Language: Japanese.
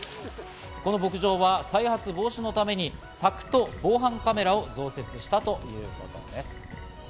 この牧場は再発防止のために柵と防犯カメラを増設したということです。